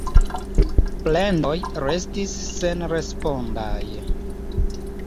Plendoj restis senrespondaj.